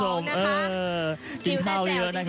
จิ๋วแน่นแจ๋วจริง